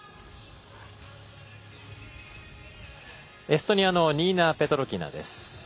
エストニアのニーナ・ペトロキナ。